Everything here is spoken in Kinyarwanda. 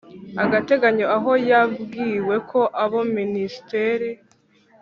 agateganyo aho yabwiwe ko abo Minisiteri